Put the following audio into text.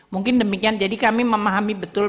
mungkin demikian jadi kami memahami betul